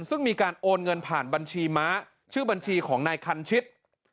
ซึ่งมีการโอนเงินผ่านบัญชีม้าชื่อบัญชีของนายคันชิต